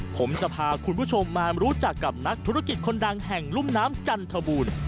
ผมจะพาคุณผู้ชมมารู้จักกับนักธุรกิจคนดังแห่งรุ่มน้ำจันทบูรณ์